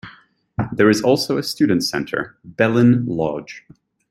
There is also a student center, Belin Lodge.